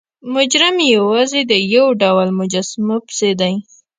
مجرم یوازې د یو ډول مجسمو پسې دی.